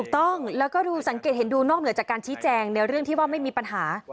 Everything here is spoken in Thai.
ถูกต้องแล้วก็ดูสังเกตเห็นดูนอกเหนือจากการชี้แจงในเรื่องที่ว่าไม่มีปัญหา